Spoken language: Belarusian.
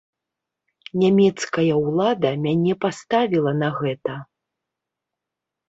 Нямецкая ўлада мяне паставіла на гэта.